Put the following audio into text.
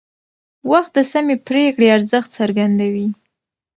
وخت د سمې پرېکړې ارزښت څرګندوي